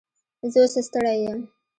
زه اوس ستړی یم